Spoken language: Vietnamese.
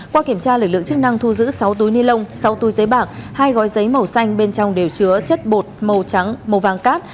qua kiểm tra lực lượng chức năng thu giữ sáu túi ni lông sáu túi giấy bạc hai gói giấy màu xanh bên trong đều chứa chất bột màu trắng màu vàng cát